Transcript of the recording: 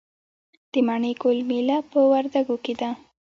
د مڼې ګل میله په وردګو کې ده.